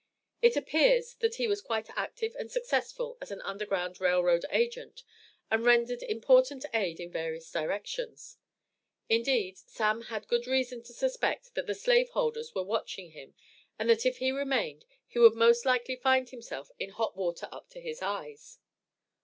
It appears that he was quite active and successful as an Underground Rail Road agent, and rendered important aid in various directions. Indeed, Sam had good reason to suspect that the slave holders were watching him, and that if he remained, he would most likely find himself in "hot water up to his eyes."